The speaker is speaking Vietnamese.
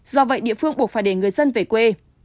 do vậy địa phương buộc phải để người dân về quê